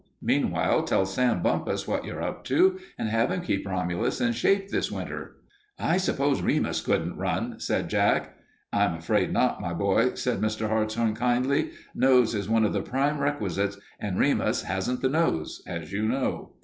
Meanwhile, tell Sam Bumpus what you're up to and have him keep Romulus in shape this winter." "I suppose Remus couldn't run," said Jack. "I'm afraid not, my boy," said Mr. Hartshorn, kindly. "Nose is one of the prime requisites, and Remus hasn't the nose, as you know."